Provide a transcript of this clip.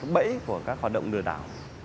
bẫy của các hoạt động lừa đảo